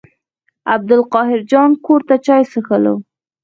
عبدالقاهر جان کور ته چای څښلو.